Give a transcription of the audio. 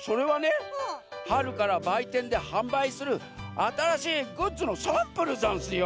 それはねはるからばいてんではんばいするあたらしいグッズのサンプルざんすよ。